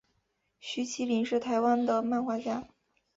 徐麒麟是台湾的漫画家。